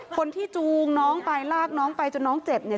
จูงน้องไปลากน้องไปจนน้องเจ็บเนี่ย